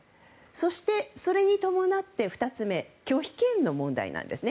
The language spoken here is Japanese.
そして、それに伴って２つ目拒否権の問題なんですね。